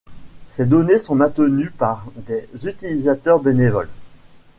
Ses données sont maintenues par des utilisateurs bénévoles.